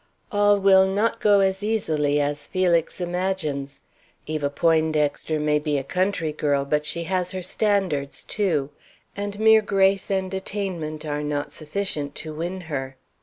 All will not go as easily as Felix imagines. Eva Poindexter may be a country girl, but she has her standards, too, and mere grace and attainment are not sufficient to win her.